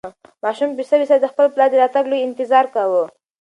ماشوم په سوې ساه د خپل پلار د راتګ لوی انتظار کاوه.